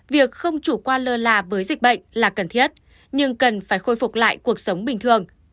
việc không chủ quan lơ là với dịch bệnh là cần thiết nhưng cần phải khôi phục lại cuộc sống bình thường